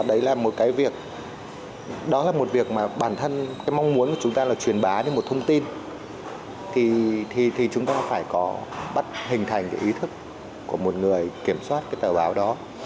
đấy là một cái việc đó là một việc mà bản thân cái mong muốn của chúng ta là truyền bá cho một thông tin thì chúng ta phải có bắt hình thành cái ý thức của một người kiểm soát cái tờ báo đó